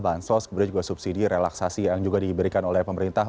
bansos kemudian juga subsidi relaksasi yang juga diberikan oleh pemerintah